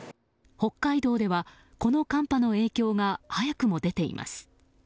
北海道ではこの寒波の影響が早くも出ています。